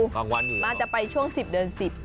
มันจะไปช่วง๑๐เดือน๑๐